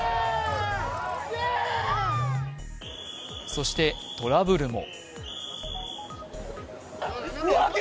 そして、トラブルも。